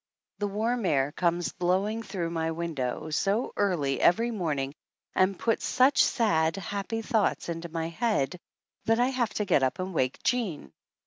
The warm air comes blowing through my window so early every morning and puts such sad, happy thoughts into my head that I have to get up and wake Jean.